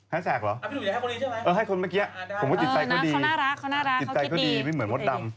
ทางแสกเหรอเออให้คนเมื่อกี้ผมก็ติดใจเข้าดีติดใจเข้าดีไม่เหมือนมดดำ